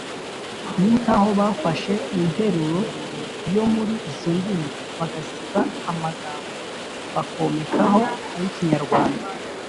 ni nkaho bafashe interuro yo muri izo ndimi bagasiba amagambo bakomekaho ay’ikinyarwanda.